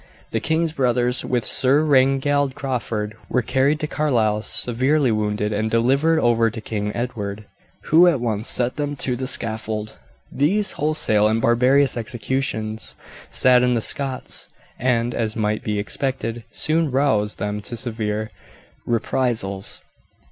The king's brothers, with Sir Reginald Crawford, were carried to Carlisle severely wounded, and delivered over to King Edward, who at once sent them to the scaffold. These wholesale and barbarous executions saddened the Scots, and, as might be expected, soon roused them to severe reprisals.